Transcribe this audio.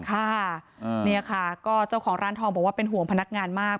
ค่ะเนี่ยค่ะก็เจ้าของร้านทองบอกว่าเป็นห่วงพนักงานมาก